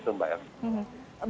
itu mbak ermi